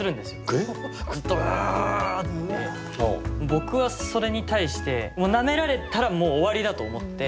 僕はそれに対してなめられたらもう終わりだと思って。